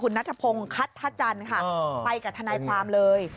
คุณนัทพงศ์ขัดทศาจันครับไปกับทะนายความเลย